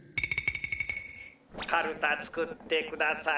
かるたつくってください。